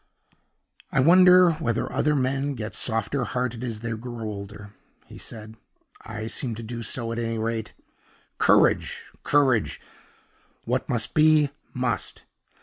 "I wonder whether other men get softer hearted as they grow older!" he said. "I seem to do so, at any rate. Courage! courage! what must be, must.